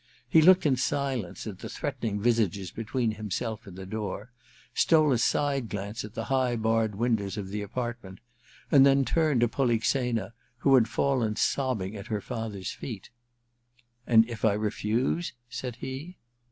He looked in silence at the threatening visages between himself and the door, stole a side glance at the high barred windows of the apartment, and then turned to Polixena, who had fallen sobbing at her father's feet. • And if I refuse ?* said he.